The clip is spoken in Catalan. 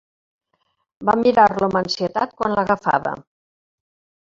Va mirar-lo amb ansietat quan l'agafava.